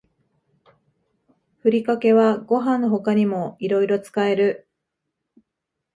ふりかけはご飯の他にもいろいろ使える